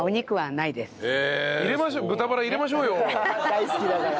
大好きだから。